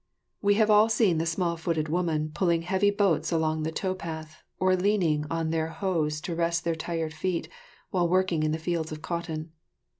We have all seen the small footed woman pulling heavy boats along the tow path, or leaning on their hoes to rest their tired feet while working in the fields of cotton.